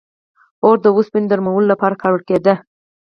• اور د اوسپنې د نرمولو لپاره کارول کېده.